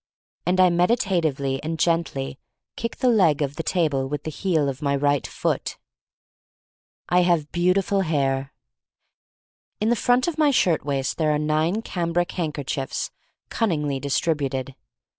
And I meditatively and gently kick the leg of the table with the heel of my right foot. I have beautiful hair. In the front of my shirt waist there are nine cambric handkerchiefs cun ningly distributed.